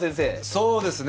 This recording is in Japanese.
そうですね。